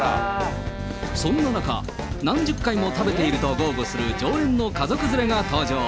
そんな中、何十回も食べていると豪語する常連の家族連れが登場。